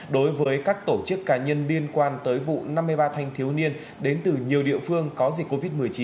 đối với các tổ chức cá nhân liên quan tới vụ năm mươi ba thanh thiếu niên đến từ nhiều địa phương có dịch covid một mươi chín